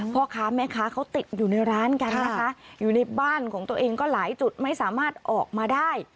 พ่อค้าแม่ค้าเขาติดอยู่ในร้านกันนะคะอยู่ในบ้านของตัวเองก็หลายจุดไม่สามารถออกมาได้